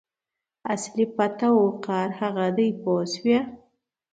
اصلي پت او وقار هغه دی پوه شوې!.